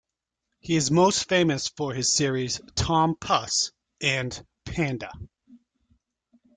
He is most famous for his series "Tom Puss" and "Panda".